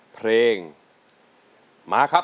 เพลงมาครับ